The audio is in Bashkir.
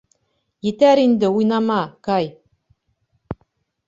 Етәр инде уйнама, Кай.